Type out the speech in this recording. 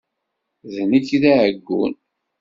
D nekk i d aɛeggun.